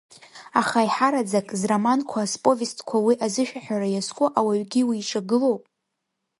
Аха аиҳараӡак, зроманқәа зповестқәа уи азышәаҳәара иазку ауаҩгьы уиҿагылоуп?